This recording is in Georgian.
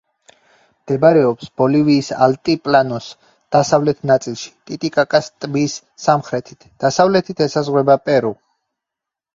მდებარეობს ბოლივიის ალტიპლანოს დასავლეთ ნაწილში, ტიტიკაკას ტბის სამხრეთით, დასავლეთით ესაზღვრება პერუ.